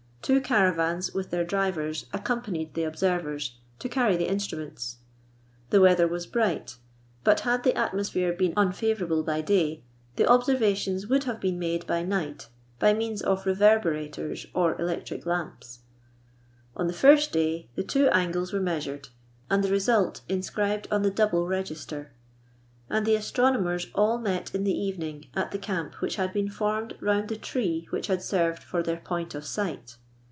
Two caravans, with their drivers, accompanied the observers, to carry the instruments. The weather was bright, but had the atmosphere been unfavour 74 MERIDIANA ; THE ADVENTURES OF able by day, the observations would have been made by night by means of reverberators or electric lamps. On the first day, the two angles were measured, and the result inscribed on the double register ; and the astronomers all met in the evening at the camp which had been formed round the tree which had served for their point of sight.